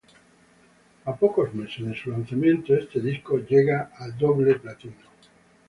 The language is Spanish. A pocos meses de su lanzamiento, este disco llega al doble platino.